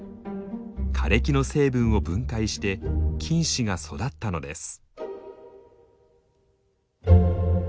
枯れ木の成分を分解して菌糸が育ったのです。